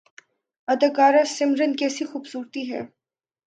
اداکارہ سمرن کیسی خوبصورتی ہے